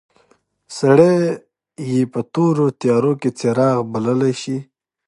سړی یې په تورو تیارو کې څراغ بللای شي.